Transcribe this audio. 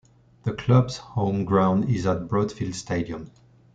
The club's home ground is at Broadfield Stadium.